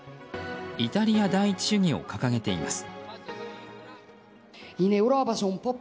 イタリア第一主義を掲げています。